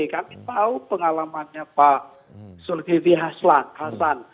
kami tahu pengalamannya pak sulgivi hasan